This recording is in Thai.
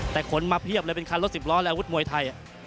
แต่ขนมาเพียบเลยเป็นคันรถสิบล้อและอาวุธมวยไทย